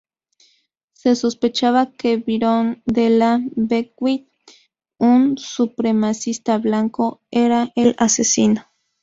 Se sospechaba que Byron De La Beckwith, un supremacista blanco, era el asesino.